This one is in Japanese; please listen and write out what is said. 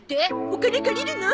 お金借りるの？